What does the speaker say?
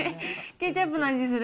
ケチャップの味する？